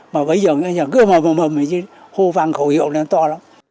mà bây giờ cứ mờ mờ mờ hô vang khổ hiệu to lắm